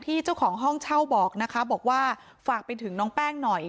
เจ้าของห้องเช่าบอกนะคะบอกว่าฝากไปถึงน้องแป้งหน่อย